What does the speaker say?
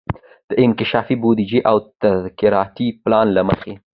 د انکشافي بودیجې او تدارکاتي پلان له مخي